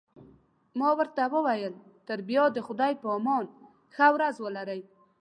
ما ورته وویل: تر بیا د خدای په امان، ښه ورځ ولرئ.